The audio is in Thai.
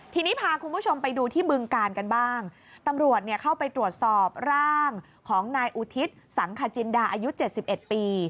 ทีนี้พาคุณผู้ชมไปดูที่บึงกาลกันบ้างตำรวจเนี่ยเข้าไปตรวจสอบร่างของนายอุทิศสังคจินดาอายุเจ็ดสิบเอ็ดปี